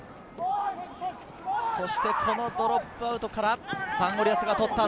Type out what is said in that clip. そしてこのドロップアウトからサンゴリアスが取った。